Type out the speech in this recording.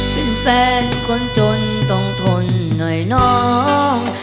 เป็นแฟนคนจนต้องทนหน่อยน้อง